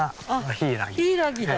ヒイラギだ。